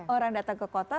orang datang ke kota